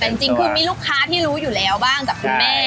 แต่จริงคือมีลูกค้าที่รู้อยู่แล้วบ้างจากคุณแม่